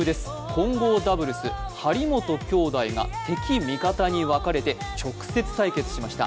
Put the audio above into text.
混合ダブルス、張本きょうだいが敵味方に分かれて直接対決しました。